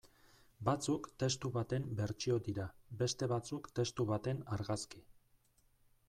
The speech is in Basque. Batzuk testu baten bertsio dira, beste batzuk testu baten argazki.